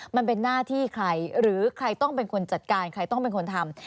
มันเป็นหน้าที่ใครหรือใครต้องเป็นคนจัดการใครต้องเป็นคนทำ